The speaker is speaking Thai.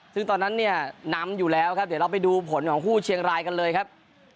ซึ่งตอนนั้นเนี่ยนำอยู่แล้วครับเดี๋ยวเราไปดูผลของคู่เชียงรายกันเลยครับ